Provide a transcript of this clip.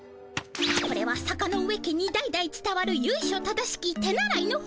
これは坂ノ上家に代々つたわるゆいしょ正しき手習いの本。